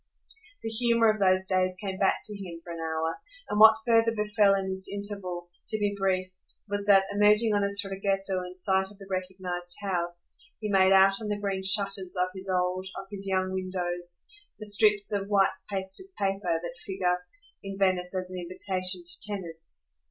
The humour of those days came back to him for an hour, and what further befell in this interval, to be brief, was that, emerging on a traghetto in sight of the recognised house, he made out on the green shutters of his old, of his young windows the strips of white pasted paper that figure in Venice as an invitation to tenants.